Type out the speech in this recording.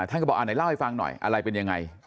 ท่านก็บอกไหนเล่าให้ฟังหน่อยอะไรเป็นยังไง